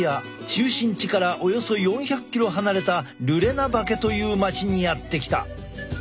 中心地からおよそ４００ｋｍ離れたルレナバケという町にやって来た。